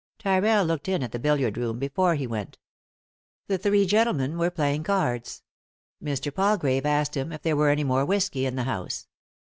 Tyrrell looked in at the billiard room before he went. The three gentlemen were playing cards. Mr. Palgrave asked him if there were any more whisky in the house.